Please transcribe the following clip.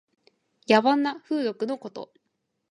野蛮な風俗のこと。